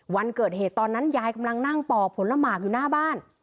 วันเกิดเหตุตอนนั้นยายกำลังนั่งป่อผลหมากอยู่หน้าบ้าน